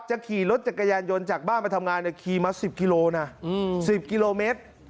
ขี่รถจักรยานยนต์จากบ้านมาทำงานขี่มา๑๐กิโลนะ๑๐กิโลเมตร